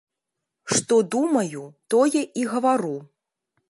Што думаю, тое і гавару.